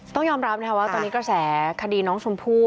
ต้องยอมรับนะคะว่าตอนนี้กระแสคดีน้องชมพู่